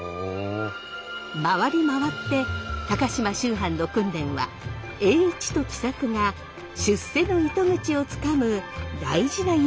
回り回って高島秋帆の訓練は栄一と喜作が出世の糸口をつかむ大事なイベントとなったのです。